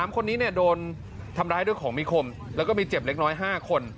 ๓คนนี้โดนทำร้ายด้วยของมีคมแล้วก็มีเจ็บเล็กน้อย๕คน